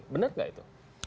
benar nggak itu